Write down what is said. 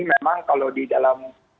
memang kalau di dalam negeri tersebut